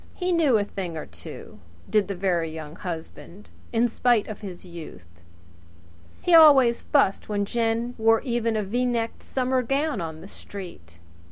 He knew a thing or two, did the Very Young Husband, in spite of his youth! He always fussed when Jen wore even a V necked summer gown on the street.